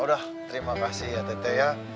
udah terima kasih ya tete ya